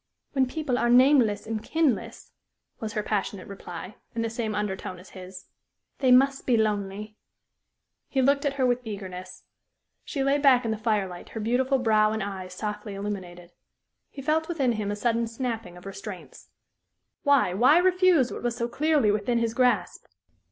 "When people are nameless and kinless," was her passionate reply, in the same undertone as his, "they must be lonely." He looked at her with eagerness. She lay back in the firelight, her beautiful brow and eyes softly illuminated. He felt within him a sudden snapping of restraints. Why why refuse what was so clearly within his grasp?